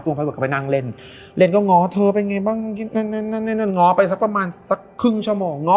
ภัยบอกก็ไปนั่งเล่นเล่นก็ง้อเธอเป็นไงบ้างนั่นง้อไปสักประมาณสักครึ่งชั่วโมงง้อ